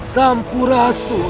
sampurasu ger prabu